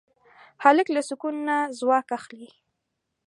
هلک له سکون نه ځواک اخلي.